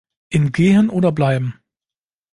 In "Gehen oder bleiben?